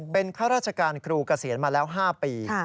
เป็นข้าราชการครูเกษียณมาแล้ว๕ปี